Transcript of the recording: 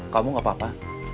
kamu gak apa apa